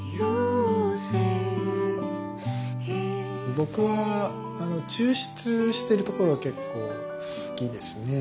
僕は抽出してるところ結構好きですね。